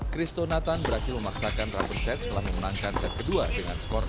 christo nathan berhasil memaksakan rambut set setelah memenangkan set kedua dengan skor enam tiga